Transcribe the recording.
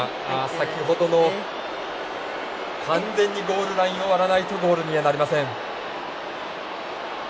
先ほどの完全にゴールラインを割らないとゴールにはなりません。